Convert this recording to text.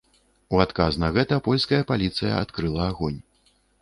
У адказ на гэта польская паліцыя адкрыла агонь.